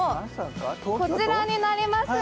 こちらになります。